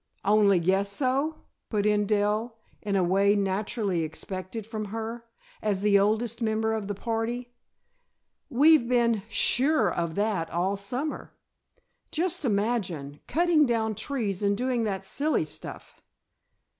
"Only guess so?" put in Dell, in a way naturally expected from her, as the oldest member of the party. "We've been sure of that all summer. Just imagine, cutting down trees and doing that silly stuff!"